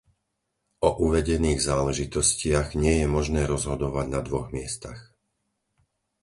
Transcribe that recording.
O uvedených záležitostiach nie je možné rozhodovať na dvoch miestach.